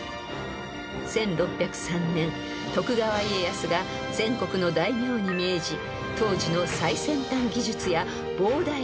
［１６０３年徳川家康が全国の大名に命じ当時の最先端技術や膨大な資金と人手を投入］